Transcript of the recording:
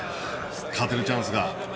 勝てるチャンスが。